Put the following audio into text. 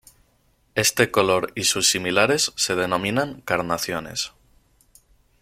Este color y sus similares se denominan carnaciones.